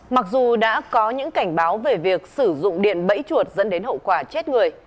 mặc dù đã có những cảnh báo về việc sử dụng điện bẫy chuột dẫn đến hậu quả chết người